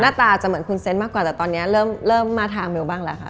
ตาจะเหมือนคุณเซนต์มากกว่าแต่ตอนนี้เริ่มมาทางมิวบ้างแล้วค่ะ